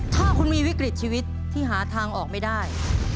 ถ้าคุณมีวิกฤตชีวิตที่หาทางออกไม่ได้